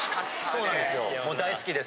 そうなんですよ。